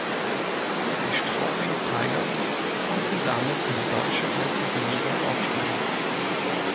Die Straubing Tigers konnten damit in die Deutsche Eishockey Liga aufsteigen.